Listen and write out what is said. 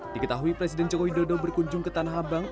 diketahui presiden jokowi dodo berkunjung ke tanah abang